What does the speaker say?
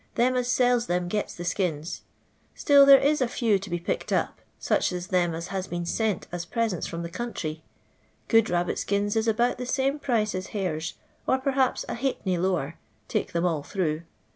Them as sells them gets the skins. Still there is a few to be picked up ; such as them as has been sent as presenu from the country. Good rabbit akina is about the same price as hares, or periups a halfpenny lower, take them all through.